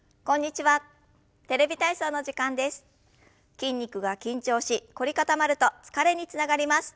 筋肉が緊張し凝り固まると疲れにつながります。